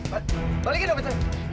balikin dong ke sana